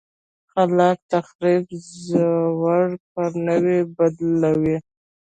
خلاق تخریب زوړ پر نوي بدلوي.